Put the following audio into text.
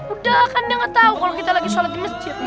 udah kan dia nggak tahu kalau kita lagi sholat di masjid